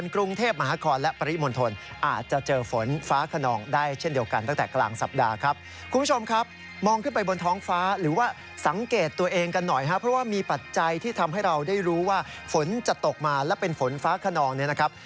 คุณผู้ชมครับมองขึ้นไปบนท้องฟ้าหรือว่าสังเกตตัวเองกันหน่อยครับเพราะว่ามีปัจจัยที่ทำให้เราได้รู้ว่าฝนจะตกมาและเป็นฝนฟ้าคนองเนี่ยนะครับ